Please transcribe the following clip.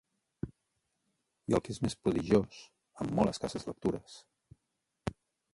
I el que és més prodigiós, amb molt escasses lectures…